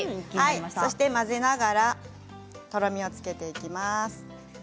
そして混ぜながらとろみをつけていきます。